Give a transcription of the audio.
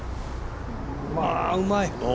うまい！